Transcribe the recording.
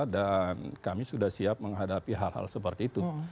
dan kami sudah siap menghadapi hal hal seperti itu